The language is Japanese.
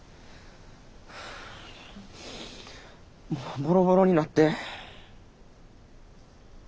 もうボロボロになって。